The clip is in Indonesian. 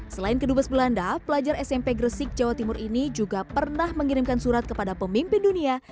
selain kedubes belanda pelajar smp gresik jawa timur ini juga pernah mengirimkan surat kepada pemimpin dunia